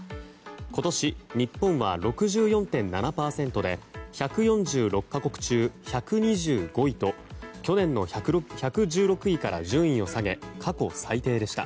今年日本は６４．７％で１４６か国中１２５位と去年の１１６位から順位を下げ過去最低でした。